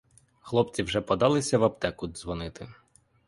Хлопці вже подалися в аптеку дзвонити.